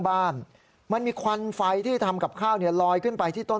บ้านมันมีควันไฟที่ทำกับข้าวเนี่ยลอยขึ้นไปที่ต้น